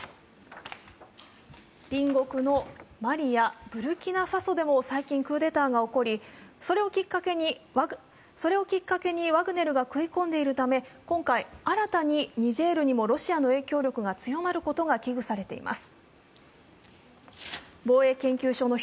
隣国のマリやブルキナファソでも最近クーデターが起こり、それをきっかけにワグネルが食い込んでいるため今回、新たにニジェールにもロシアの影響力が強まることが危惧されています。